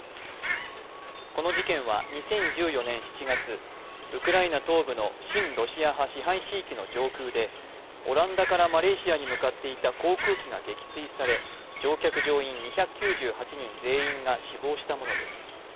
この事件は２０１４年７月、ウクライナ東部の親ロシア派支配地域の上空でオランダからマレーシアに向かっていた航空機が撃墜され、乗客乗員２９８人全員が死亡したものです。